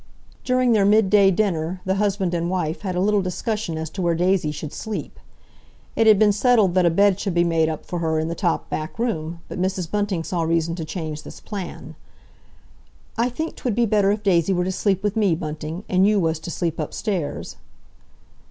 During their midday dinner the husband and wife had a little discussion as to where Daisy should sleep. It had been settled that a bed should be made up for her in the top back room, but Mrs. Bunting saw reason to change this plan. "I think 'twould be better if Daisy were to sleep with me, Bunting, and you was to sleep upstairs."